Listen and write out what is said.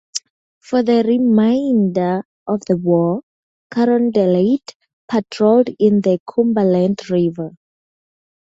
For the remainder of the war, "Carondelet" patrolled in the Cumberland River.